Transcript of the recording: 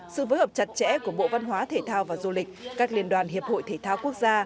sự phối hợp chặt chẽ của bộ văn hóa thể thao và du lịch các liên đoàn hiệp hội thể thao quốc gia